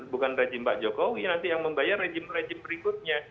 bukan rejim pak jokowi nanti yang membayar rejim rejim berikutnya